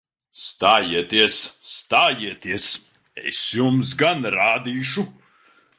Stājieties! Stājieties! Es jums gan rādīšu!